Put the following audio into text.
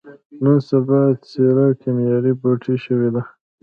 نن سبا ځيره کېميا بوټی شوې ده.